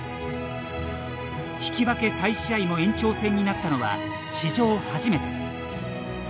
引き分け再試合も延長戦になったのは史上初めて。